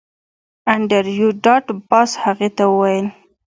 انډریو ډاټ باس هغې ته وویل